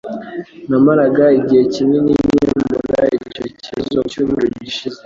Namaraga igihe kinini nkemura icyo kibazo mucyumweru gishize.